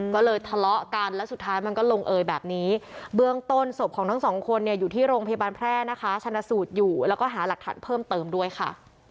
ก็เลยทะเลาะกันแล้วสุดท้ายมันก็ลงเอยแบบนี้เบื้องต้นศพของทั้งสองคนเนี่ยอยู่ที่โรงพยาบาลแพร่นะคะชนะสูตรอยู่แล้วก็หาหลักฐานเพิ่มเติมด้วยค่ะ